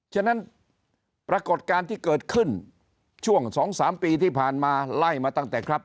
ฉะนั้นปรากฏการณ์ที่เกิดขึ้นช่วง๒๓ปีที่ผ่านมาไล่มาตั้งแต่ครับ